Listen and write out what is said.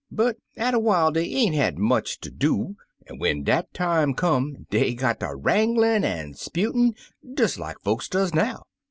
But atter while dey ain't had much ter do, an' when dat time come dey got ter wranglin* an' 'sputin', des like folks does now.